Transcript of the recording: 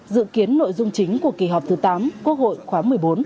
dự kiến nội dung chính của kỳ họp thứ tám quốc hội khóa một mươi bốn